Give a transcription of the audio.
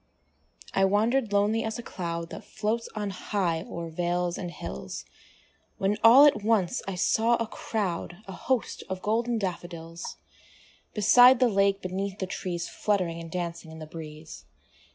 I wander'd lonely as a cloud That floats on high o'er vales and hills, When all at once I saw a crowd, A host of golden daffodils, Beside the lake, beneath the trees, Fluttering and dancing in the breeze.